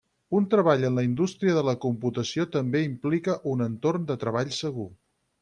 Un treball en la indústria de la computació també implica un entorn de treball segur.